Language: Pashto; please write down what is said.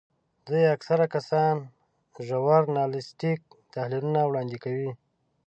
دوی اکثره کسان ژورنالیستیک تحلیلونه وړاندې کوي.